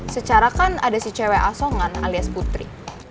secara kan ada si cewek asongan alias putri